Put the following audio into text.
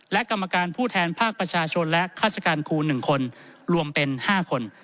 และกรรมการผู้แทนภาคประชาชนและฆาติการครู๑คนรวมเป็น๕คน